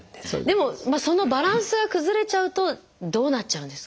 でもそのバランスが崩れちゃうとどうなっちゃうんですか？